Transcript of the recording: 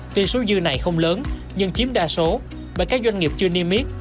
tuy số dư này không lớn nhưng chiếm đa số bởi các doanh nghiệp chưa niêm yết